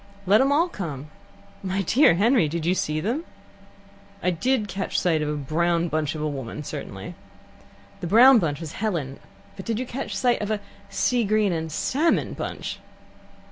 "Let 'em all come." "My dear Henry, did you see them?" "I did catch sight of a brown bunch of a woman, certainly. "The brown bunch was Helen, but did you catch sight of a sea green and salmon bunch?"